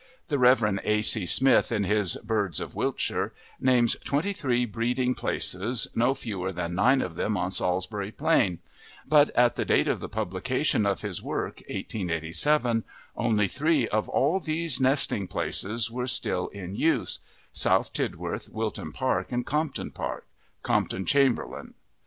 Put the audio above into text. The Rev. A. C. Smith, in his "Birds of Wiltshire," names twenty three breeding places, no fewer than nine of them on Salisbury Plain; but at the date of the publication of his work, 1887, only three of all these nesting places were still in use: South Tidworth, Wilton Park, and Compton Park, Compton Chamberlain.